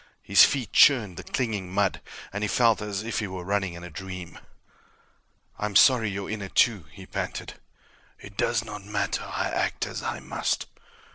His feet churned the clinging mud, and he felt as if he were running in a dream. "I'm sorry you're in it, too," he panted. "It does not matter. I act as I must."